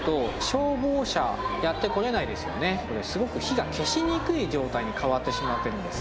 これすごく火が消しにくい状態に変わってしまってるんです。